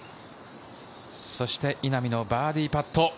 そして稲見のバーディーパット。